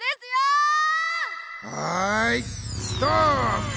はいストーップ！